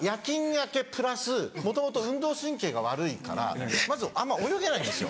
明けプラスもともと運動神経が悪いからまずあんま泳げないんですよ。